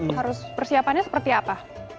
jadi kalau harus persiapannya seperti apa